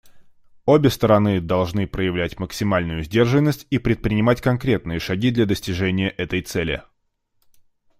Обе стороны должны проявлять максимальную сдержанность и предпринимать конкретные шаги для достижения этой цели.